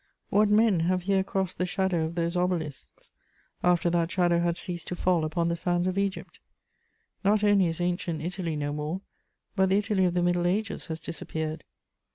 What men have here crossed the shadow of those obelisks, after that shadow had ceased to fall upon the sands of Egypt? Not only is Ancient Italy no more, but the Italy of the Middle Ages has disappeared.